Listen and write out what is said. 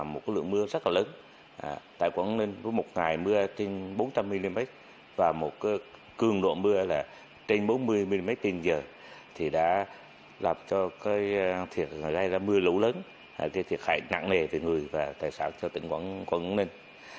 một lượng mưa rất là lớn tại quảng ninh với một ngày mưa trên bốn trăm linh mm và một cơ cường độ mưa là trên bốn mươi mm trên giờ thì đã làm cho thiệt hại này là mưa lấu lớn thiệt hại nặng nề về người và tài sản cho tỉnh quảng ninh